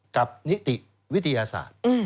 นิติวิทยาศาสตร์